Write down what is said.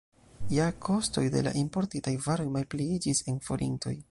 Ja kostoj de la importitaj varoj malpliiĝis en forintoj.